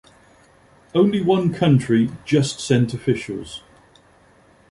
Only one country just sent officials.